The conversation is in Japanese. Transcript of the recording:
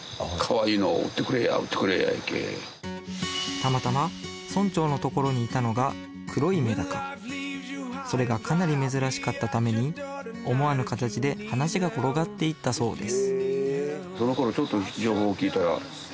たまたま村長のところにいたのが黒いめだかそれがかなり珍しかったために思わぬ形で話が転がっていったそうです